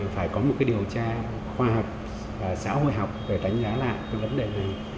phải có một cái điều tra khoa học xã hội học để đánh giá lại cái vấn đề này